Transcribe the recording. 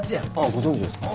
ご存じですか？